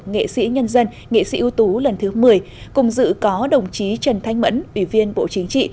nghệ sĩ nhân dân nghệ sĩ ưu tú lần thứ một mươi cùng dự có đồng chí trần thanh mẫn ủy viên bộ chính trị